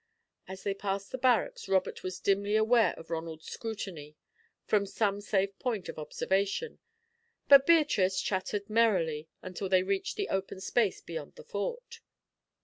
As they passed the barracks, Robert was dimly aware of Ronald's scrutiny from some safe point of observation; but Beatrice chattered merrily until they reached the open space beyond the Fort.